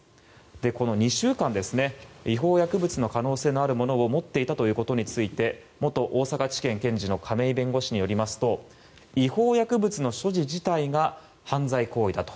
この２週間違法薬物の可能性のあるものを持っていたということについて元大阪地検検事の亀井弁護士によりますと違法薬物の所持自体が犯罪行為だと。